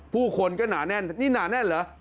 ผู้คนก็หนาแน่นนี่หนาแน่นเหรอ